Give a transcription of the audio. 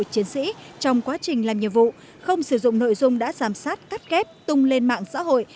chiến sĩ trong quá trình làm nhiệm vụ không sử dụng nội dung đã giám sát cắt kép tung lên mạng xã hội